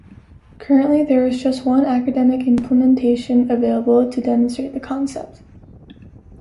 Currently there is just one academic implementation available to demonstrate the concept.